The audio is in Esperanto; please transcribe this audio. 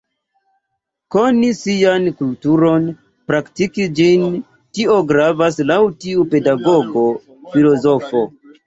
Koni sian kulturon, praktiki ĝin, tio gravas laŭ tiu pedagogo filozofo.